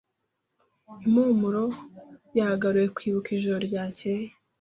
Impumuro yagaruye kwibuka ijoro ryakeye.